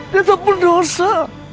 dia tak berdosa